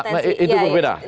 nah itu berbeda